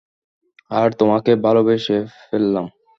আর তোমাকে ভালোবেসে ফেললাম।